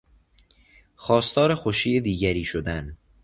خواستار خوشی دیگری شدن